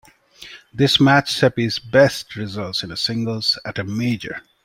This matched Seppi's best result in singles at a Major.